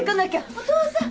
お父さん。